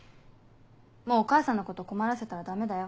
もうお母さんのこと困らせたらダメだよ。